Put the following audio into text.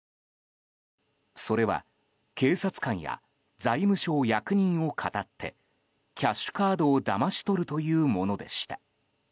それは、警察官や財務省役人をかたってキャッシュカードをだまし取るというものでした。